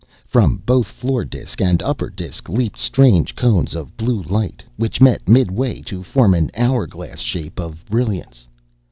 From both floor disk and upper disk leaped strange cones of blue light, which met midway to form an hour glass shape of brilliance.